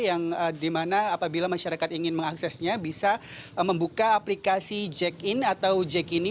yang dimana apabila masyarakat ingin mengaksesnya bisa membuka aplikasi check in atau jack ini